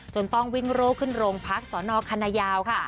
จนต้องวิ่งโรคขึ้นโรงภาคษ์สอนอคัณะยาวค่ะ